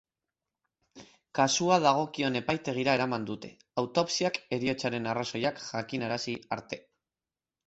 Kasua dagokion epaitegira eraman dute, autopsiak heriotzaren arrazoiak jakinarazi arte.